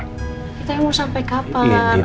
kita mau sampai kapan